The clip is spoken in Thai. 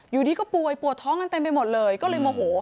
อยู่ดีก็ป่วยปวดท้องกันเต็มไปหมดเลยก็เลยโมโห